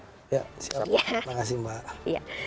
terima kasih mbak